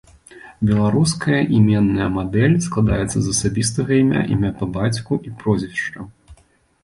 Беларуская іменная мадэль складаецца з асабістага імя, імя па бацьку і прозвішчы.